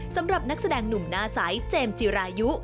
สำหรับนักแสดงหนุ่มหน้าใสเจมส์จิรายุ